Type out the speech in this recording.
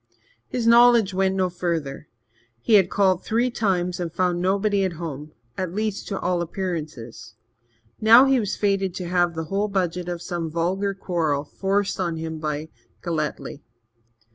His knowledge went no further. He had called three times and found nobody at home at least, to all appearances. Now he was fated to have the whole budget of some vulgar quarrel forced on him by Galletly.